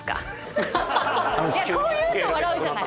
こう言うと笑うじゃない。